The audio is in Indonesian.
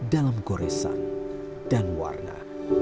dalam goresan dan warna